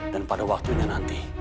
dan pada waktunya nanti